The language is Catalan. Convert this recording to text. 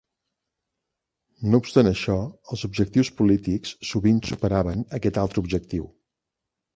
No obstant això, els objectius polítics sovint superaven aquest altre objectiu.